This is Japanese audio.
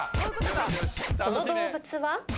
この動物は？